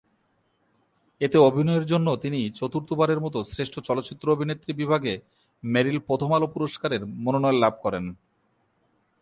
এতে অভিনয়ের জন্য তিনি চতুর্থবারের মত শ্রেষ্ঠ চলচ্চিত্র অভিনেত্রী বিভাগে মেরিল-প্রথম আলো পুরস্কারের মনোনয়ন লাভ করেন।